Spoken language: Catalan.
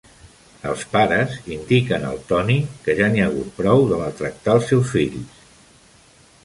Els pares indiquen al Toni que ja n'hi ha hagut prou de maltractar els seus fills.